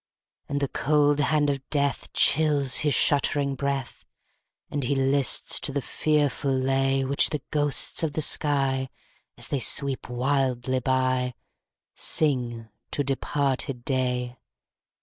2. And the cold hand of death Chills his shuddering breath, As he lists to the fearful lay Which the ghosts of the sky, _10 As they sweep wildly by, Sing to departed day.